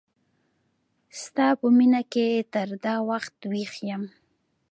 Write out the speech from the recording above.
ستا په مینه کی تر دا وخت ویښ یم